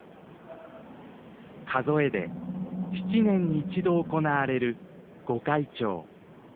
数えで７年に一度行われる御開帳。